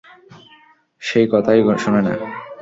সে কথাই শুনেনা।